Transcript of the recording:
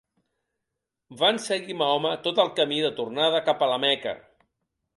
Van seguir Mahoma tot el camí de tornada cap a la Meca.